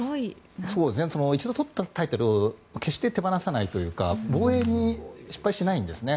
一度取ったタイトルを決して手放さないというか防衛に失敗しないんですね。